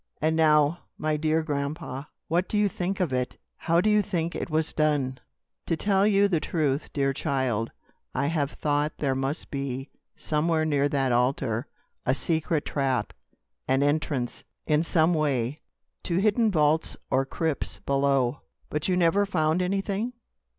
"And now, my dear grandpa, what do you think of it? How do you think it was done?" "To tell you the truth, dear child, I have thought there must be, somewhere near that altar, a secret trap an entrance, in some way, to hidden vaults or crypts below." "But you never found anything?"